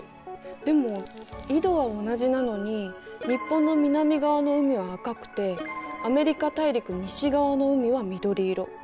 でも緯度は同じなのに日本の南側の海は赤くてアメリカ大陸西側の海は緑色。